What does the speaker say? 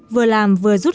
vừa làm vừa giúp